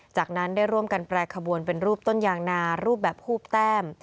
จากนั้นได้ร่วมกันแปรขบวนเป็นรูปต้นยางนารูปแบบฮูบแต้ม